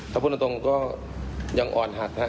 ถ้าพูดตรงก็ยังอ่อนหัดฮะ